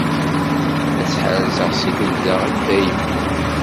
Ad tt-ḥerzeɣ si lebda, i dayem.